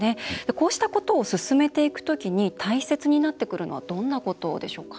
こうしたことを進めていく時に大切になってくるのはどんなことでしょうか。